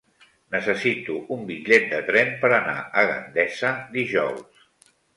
Necessito un bitllet de tren per anar a Gandesa dijous.